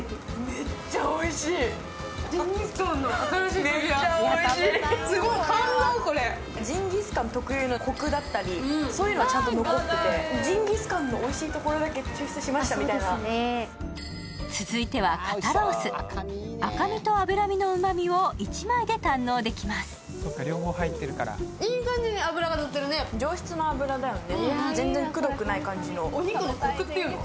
めっちゃおいしいすごい感動これジンギスカン特有のコクだったりそういうのはちゃんと残っててジンギスカンのおいしいところだけ抽出しましたみたいな続いては赤身と脂身の旨みを１枚で堪能できますいい感じに脂がのってるね上質な脂だよね全然くどくない感じのお肉のコクっていうの？